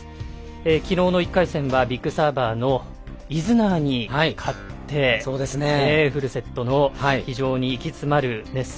きのうの１回戦はビッグサーバーのイズナーに勝ちフルセットの非常に息詰まる熱戦。